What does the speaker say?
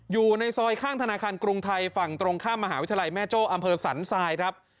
อยู่ในซอยข้างธนาคารกรุงไทยฝั่งตรงข้ามมหาวิทยาลัยแม่โจ้อำเภอสันทรายครับ